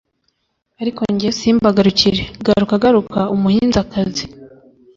ariko jye simbagarukire.garuka garuka umuhinzakazi